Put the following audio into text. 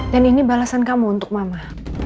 dan ini balasan kamu untuk mama